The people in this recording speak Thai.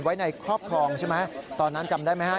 ไว้ในครอบครองใช่ไหมตอนนั้นจำได้ไหมฮะ